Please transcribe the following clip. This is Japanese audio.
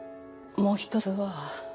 もう１つは。